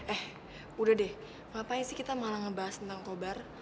eh udah deh ngapain sih kita malah ngebahas tentang kobar